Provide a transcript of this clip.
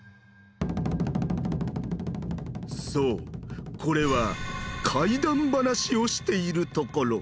そうこれは怪談ばなしをしているところ。